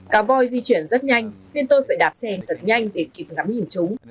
cá voi di chuyển rất nhanh nên tôi phải đạp xe thật nhanh để kịp ngắm nhìn chúng